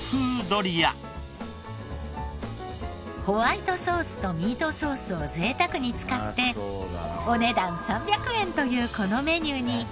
ホワイトソースとミートソースを贅沢に使ってお値段３００円というこのメニューに。